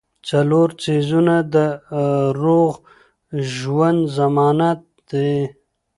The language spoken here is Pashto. څلور څيزونه د روغ ژوند ضمانت دي -